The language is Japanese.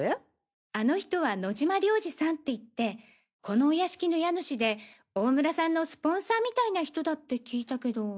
あの人は野嶋亮司さんっていってこのお屋敷の家主で大村さんのスポンサーみたいな人だって聞いたけど。